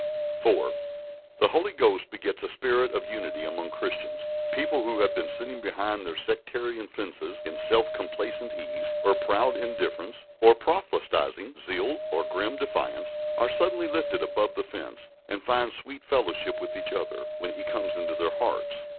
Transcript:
4. The Holy Ghost begets a spirit of unity among Christians. People who have been sitting behind their sectarian fences in self complacent ease, or proud indifference, or proselytising zeal, or grim defiance, are suddenly lifted above the fence, and find sweet fellowship with each other, when He comes into their hearts.